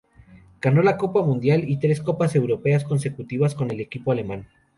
Ganó la copa mundial y tres copas europeas consecutivas con el equipo alemán.